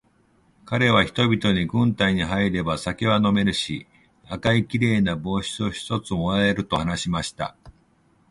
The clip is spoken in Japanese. かれは人々に、軍隊に入れば酒は飲めるし、赤いきれいな帽子を一つ貰える、と話しました。